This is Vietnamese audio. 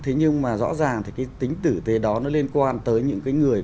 thế nhưng mà rõ ràng thì cái tính tử tế đó nó liên quan tới những cái người